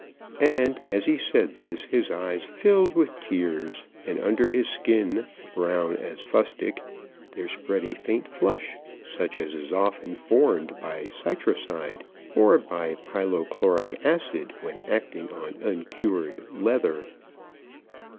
"] And as he said this his eyes filled with tears, and under his skin, brown as fustic, there spread a faint flush, such as is often formed by citrocyde, or by pyrochloric acid when acting on uncured leather.